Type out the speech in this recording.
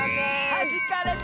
はじかれた！